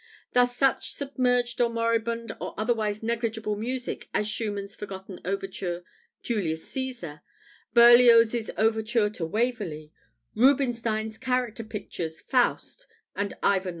Thus such submerged or moribund or otherwise negligible music as Schumann's forgotten overture, "Julius Cæsar," Berlioz's overture to "Waverley," Rubinstein's character pictures, "Faust" and "Ivan IV.